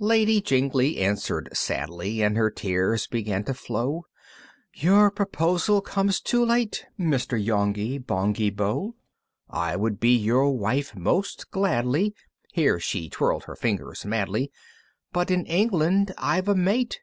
V. Lady Jingly answered sadly, And her tears began to flow, "Your proposal comes too late, "Mr. Yonghy Bonghy Bò! "I would be your wife most gladly!" (Here she twirled her fingers madly) "But in England I've a mate!